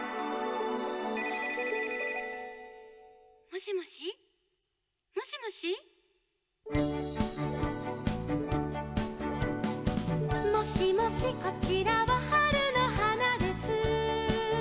「もしもしもしもし」「もしもしこちらは春の花です」